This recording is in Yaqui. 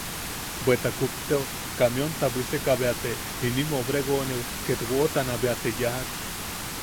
Bea te kupteo kamionta bwiseka bea te inimi obregóneu ketwotana bea te yajak.